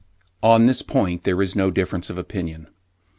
On this point there is no difference of opinion.